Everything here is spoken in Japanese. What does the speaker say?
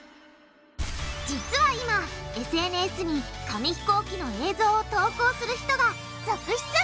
実は今ＳＮＳに紙ひこうきの映像を投稿する人が続出！